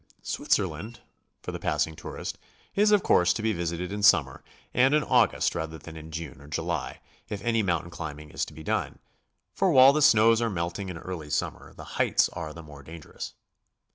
Switzerland, for the passing tourist, is of course to be visited in summer, and in August rather than in June or July, if any mountain climbing is to be done, for while the snows are melting in early summer, the heights are the more dangerous.